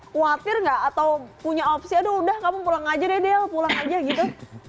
khawatir nggak atau punya opsi aduh udah kamu pulang aja deh del pulang aja gitu